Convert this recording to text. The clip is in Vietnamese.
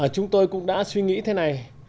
chúng tôi cũng đã suy nghĩ thế này